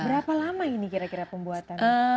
berapa lama ini kira kira pembuatan